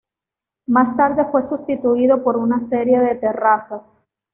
Más tarde fue sustituido por una serie de terrazas.